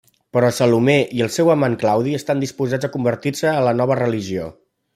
Però Salomé i el seu amant Claudi estan disposats a convertir-se a la nova religió.